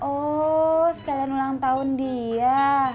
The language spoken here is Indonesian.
oh sekalian ulang tahun dia